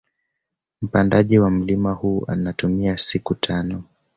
Mpandaji wa mlima huu anatumia siku tano